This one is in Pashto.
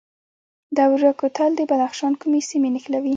دوره کوتل د بدخشان کومې سیمې نښلوي؟